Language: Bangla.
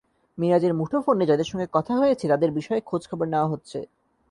মিরাজের মুঠোফোনে যাদের সঙ্গে কথা হয়েছে, তাদের বিষয়ে খোঁজখবর নেওয়া হচ্ছে।